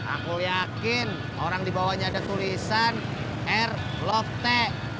aku yakin orang dibawanya ada tulisan air lofty